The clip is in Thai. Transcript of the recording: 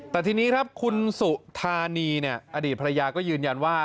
แต่ทีนี้ครับคุณสุธานีอดีตภรรยาก็ยืนยันว่า